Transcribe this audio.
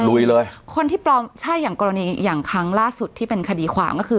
ลุยเลยคนที่ปลอมใช่อย่างกรณีอย่างครั้งล่าสุดที่เป็นคดีความก็คือ